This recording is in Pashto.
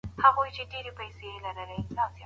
د سوالګرو لپاره باید د کار اساسي لاري پیدا سي.